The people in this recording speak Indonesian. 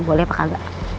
boleh apa enggak